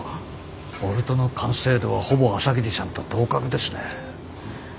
ボルトの完成度はほぼ朝霧さんと同格ですね。